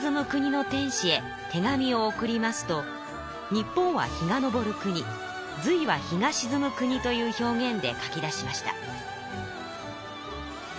日本は日がのぼる国隋は日が沈む国という表現で書き出しました。